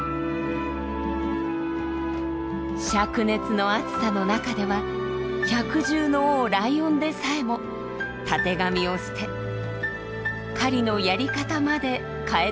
灼熱の暑さの中では百獣の王ライオンでさえもたてがみを捨て狩りのやり方まで変えていました。